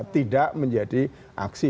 tidak menjadi aksi